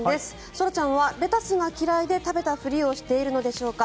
空ちゃんはレタスが嫌いで食べたふりをしているのでしょうか。